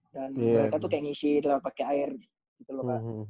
dan mereka tuh kayak ngisi pakai air gitu loh kak